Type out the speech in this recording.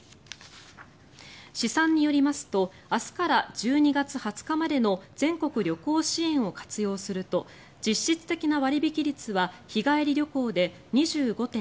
試算によりますと明日から１２月２０日までの全国旅行支援を活用すると実質的な割引率は日帰り旅行で２５．６％